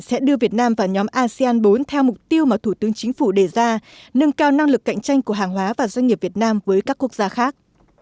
sẽ đưa việt nam vào nhóm asean bốn theo mục tiêu mà thủ tướng chính phủ đề ra nâng cao năng lực cạnh tranh của hàng hóa và doanh nghiệp việt nam với các quốc gia khác